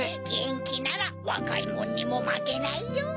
ゲンキならわかいもんにもまけないよ。